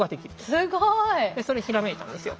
すごい。それひらめいたんですよ。